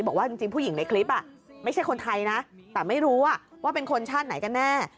บอกว่าจริงผู้หญิงในคลิปไม่ใช่คนไทยนะแต่ไม่รู้ว่าเป็นคนชาติไหนกันแน่